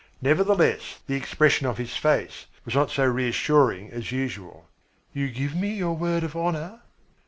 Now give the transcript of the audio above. Nevertheless, the expression of his face was not so reassuring as usual. "You give me your word of honour?"